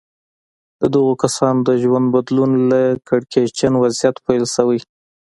د دغو کسانو د ژوند بدلون له کړکېچن وضعيت پيل شوی.